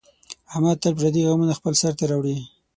احمد تل پردي غمونه خپل سر ته راوړي.